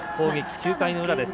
９回の裏です。